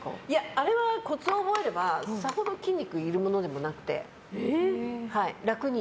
あれはコツを覚えればさほど筋肉いるものでもなくて楽に。